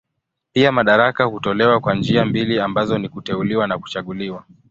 Pia madaraka hutolewa kwa njia mbili ambazo ni kuteuliwa na kuchaguliwa.